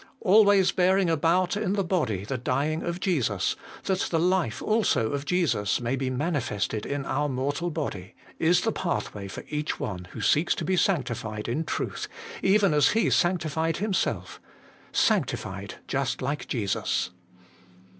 ' Always bearing about in the body the dying of Jesus, that the life also of Jesus may be manifested 156 HOLY IN CHRIST. in our mortal body ' is the pathway for each one who seeks to be sanctified in truth, even as He sanctified Himself ; sanctified just like Jesus.